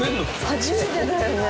初めてだよね。